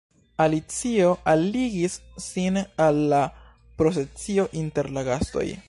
Alicio aligis sin al la procesio inter la gastoj.